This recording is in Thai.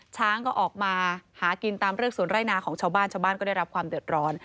ช้างก็ออกมาหากินตามเรือกสวนไร่นาของชาวบ้านชาวบ้านก็ได้รับความเดือดร้อน